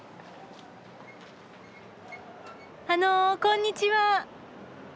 あのこんにちは。